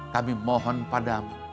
kami mohon padamu